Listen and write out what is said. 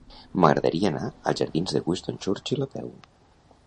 M'agradaria anar als jardins de Winston Churchill a peu.